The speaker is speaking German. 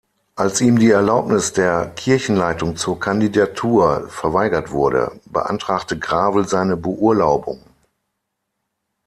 Als ihm die Erlaubnis der Kirchenleitung zur Kandidatur verweigert wurde, beantragte Gravel seine Beurlaubung.